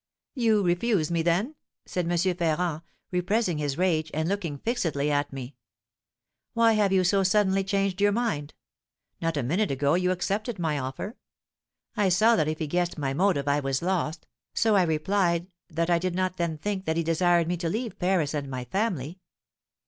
'You refuse me, then?' said M. Ferrand, repressing his rage, and looking fixedly at me. 'Why have you so suddenly changed your mind? Not a minute ago you accepted my offer.' I saw that if he guessed my motive I was lost, so I replied that I did not then think that he desired me to leave Paris and my family.